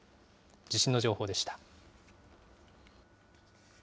地震の情報でした。